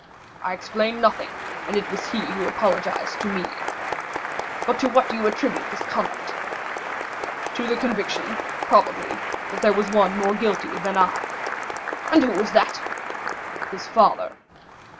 "I explained nothing, and it is he who apologized to me." "But to what do you attribute this conduct?" "To the conviction, probably, that there was one more guilty than I." "And who was that?" "His father."